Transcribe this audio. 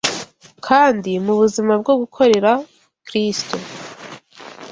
kandi mu buzima bwo gukorera Kristo